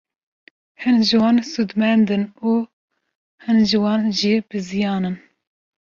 Hin ji wan sûdmend in û hin ji wan jî biziyan in.